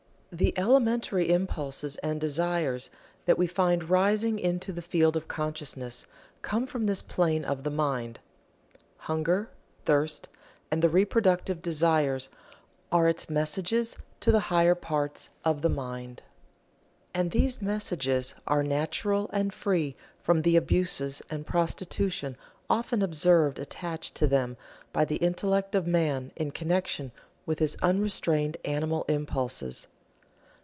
The elementary impulses and desires that we find rising into the field of consciousness come from this plane of the mind. Hunger, thirst and the reproductive desires are its messages to the higher parts of the mind. And these messages are natural and free from the abuses and prostitution often observed attached to them by the intellect of man in connection with his unrestrained animal impulses.